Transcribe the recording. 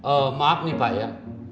eh maaf nih pak ya